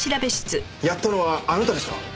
やったのはあなたでしょ？